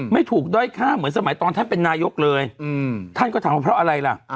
ไม่ถูกด้อยค่าเหมือนสมัยตอนท่านเป็นนายกเลยท่านก็ถามว่าเพราะอะไรล่ะ